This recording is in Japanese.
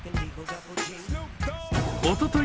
おととい